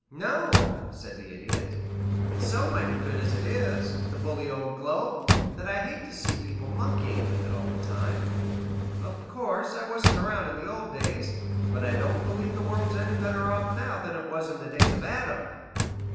"No," said the Idiot. "It's so mighty good as it is, this bully old globe, that I hate to see people monkeying with it all the time. Of course, I wasn't around it in the old days, but I don't believe the world's any better off now than it was in the days of Adam."